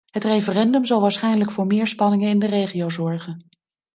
Het referendum zal waarschijnlijk voor meer spanningen in de regio zorgen.